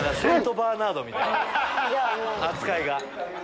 扱いが。